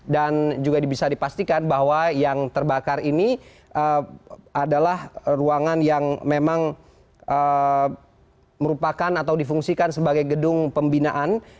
dan juga bisa dipastikan bahwa yang terbakar ini adalah ruangan yang memang merupakan atau difungsikan sebagai gedung pembinaan